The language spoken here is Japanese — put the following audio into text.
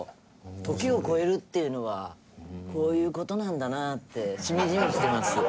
時を超えるっていうのはこういう事なんだなってしみじみしてます。